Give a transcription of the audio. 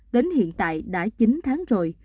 đến hiện tại đã chín tháng rồi